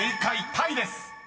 「タイ」です］